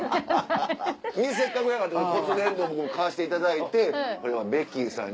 せっかくやから骨伝導の買わせていただいてこれはベッキーさんに。